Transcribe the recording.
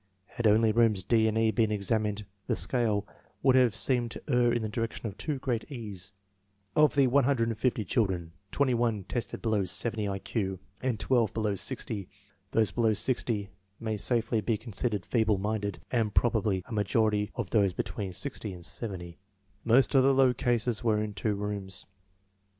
Had only rooms D and E been examined, the scale would have seemed to err in the direction of too great ease. Of the 150 children, 1 tested below 70 I Q and 12 below 60. Those below 60 may safely be considered feeble minded* and probably a majority of those be tween 60 and 70. Most of the low cases were in two rooms.